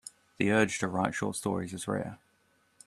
The urge to write short stories is rare.